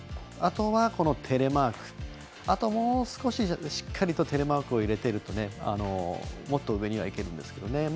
あとは、テレマークあともう少し、しっかりとテレマークを入れているともっと上にはいけるんですけどね。